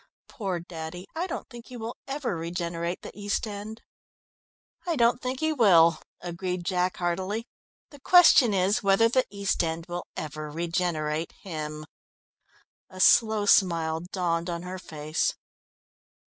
Poor daddy, I don't think he will ever regenerate the East End." "I don't think he will," agreed Jack heartily. "The question is, whether the East End will ever regenerate him." A slow smile dawned on her face.